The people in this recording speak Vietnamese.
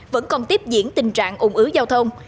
vẫn còn tiếp diễn tình trạng ủng ứ giao thông